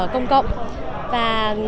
công cộng và